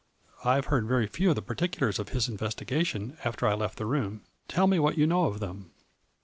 I have heard very few of the particulars of his investigation after I left the room. Tell me what you know of them.